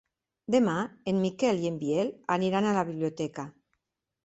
Demà en Miquel i en Biel aniran a la biblioteca.